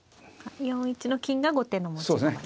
４一の金が後手の持ち駒ですね。